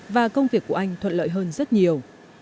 và công việc của anh thuận lợi hơn rất nhiều